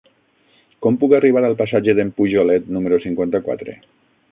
Com puc arribar al passatge d'en Pujolet número cinquanta-quatre?